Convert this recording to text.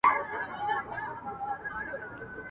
پر خپل ځان باندي پرهېز یې وو تپلی ..